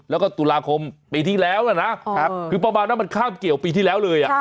แล้วก็ตุลาคมปีที่แล้วนะคือประมาณว่ามันข้ามเกี่ยวปีที่แล้วเลย